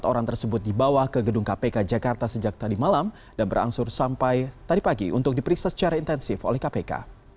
empat orang tersebut dibawa ke gedung kpk jakarta sejak tadi malam dan berangsur sampai tadi pagi untuk diperiksa secara intensif oleh kpk